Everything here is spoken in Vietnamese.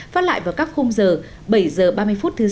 phát lại vào các khung giờ bảy h ba mươi phút thứ sáu